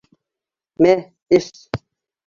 Мә, эс!